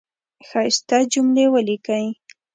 ښایسته جملی ولیکی